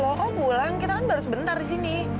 lo kok pulang kita kan baru sebentar di sini